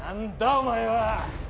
お前は！